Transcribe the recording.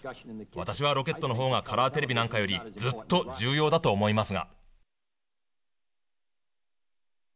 私はロケットの方がカラーテレビなんかよりずっと重要だと思いますが」。